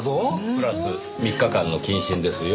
プラス３日間の謹慎ですよ。